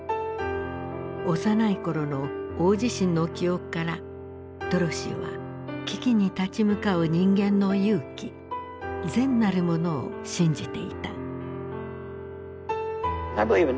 幼い頃の大地震の記憶からドロシーは危機に立ち向かう人間の勇気善なるものを信じていた。